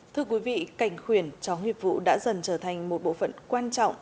thưa quý vị cảnh khuyển chóng hiệp vụ đã dần trở thành một bộ phận quan trọng